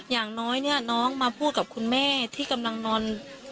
อย่างน้อยเนี่ยน้องมาพูดกับคุณแม่ที่กำลังนอน